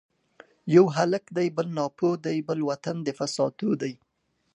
یو هلک دی بل ناپوه دی ـ بل وطن د فساتو دی